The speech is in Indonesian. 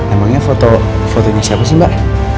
emangnya fotonya siapa sih mbak